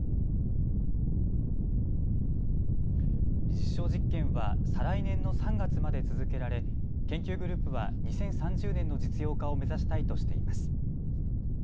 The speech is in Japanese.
実証実験は再来年の３月まで続けられ研究グループは２０３０年の実用化を目指したいとしています。